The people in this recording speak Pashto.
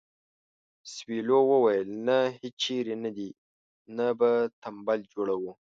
سویلو وویل نه هیچېرې نه دې نه به تمبل جوړوو.